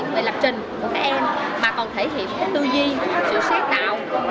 về lập trình của các em mà còn thể hiện tư duy sự sáng tạo